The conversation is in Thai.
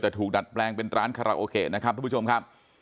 แต่ถูกดัดแปลงเป็นร้านนะครับทุกผู้ชมครับ